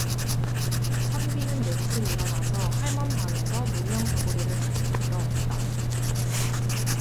선비는 냉큼 일어나서 할멈 방에서 무명저고리를 가지고 들어왔다.